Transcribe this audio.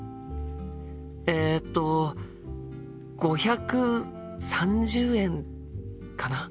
えっと５３０円かな？